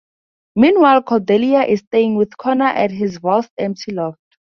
Meanwhile, Cordelia is staying with Connor at his vast empty loft.